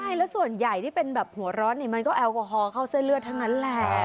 ใช่แล้วส่วนใหญ่ที่เป็นแบบหัวร้อนนี่มันก็แอลกอฮอลเข้าเส้นเลือดทั้งนั้นแหละ